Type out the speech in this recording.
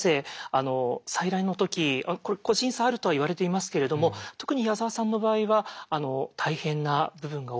あの採卵の時これ個人差あるとはいわれていますけれども特に矢沢さんの場合は大変な部分が大きかったみたいですね。